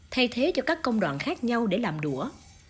thay thế cho các công đoạn khác nhau để làm đũa